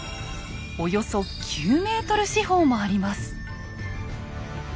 およそ９ｍ四方もあります。